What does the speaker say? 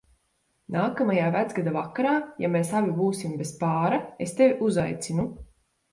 Nākamajā Vecgada vakarā, ja mēs abi būsim bez pāra, es tevi uzaicinu.